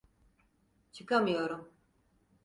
Çıkamıyorum.